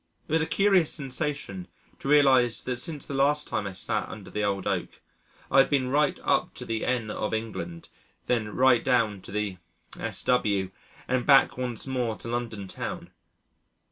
It was a curious sensation to realise that since the last time I sat under the old oak I had been right up to the N. of England, then right down to the S.W., and back once more to London town.